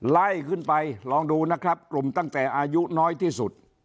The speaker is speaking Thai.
ไล่ขึ้นไปลองดูนะครับกลุ่มตั้งแต่อายุน้อยที่สุด